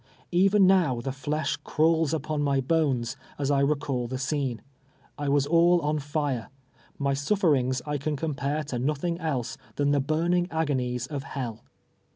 Even now the flesh crawls npon my bones, as I recall the scene. I was all on lire. My suiferings I can compare to nothing else than the burning ago nies of hell